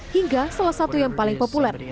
hingga salah satu yang paling populer